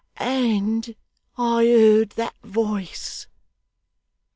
And I heard that voice.